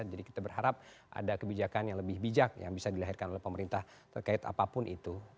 jadi kita berharap ada kebijakan yang lebih bijak yang bisa dilahirkan oleh pemerintah terkait apapun itu ya